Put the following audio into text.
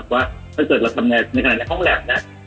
ว่าถ้าเกิดเราทำงานในขณะห้องแล็บนะ